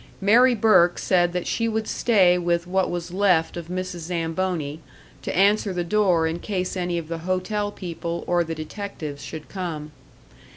Mary Burke said that she would stay with what was left of Mrs. Zamboni, to answer the door in case any of the hotel people or the detectives should come.